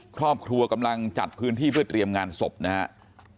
ครอบครัวกำลังจัดพื้นที่เพื่อเตรียมงานศพนะครับ